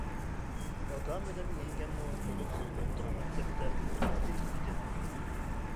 ئاكام بىلەن يەڭگەممۇ تولۇقسىز ئوتتۇرا مەكتەپتە ئوقۇتقۇچى ئىدى.